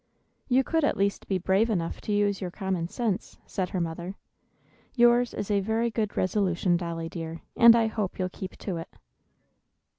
"You could at least be brave enough to use your common sense," said her mother. "Yours is a very good resolution, Dolly dear, and I hope you'll keep to it."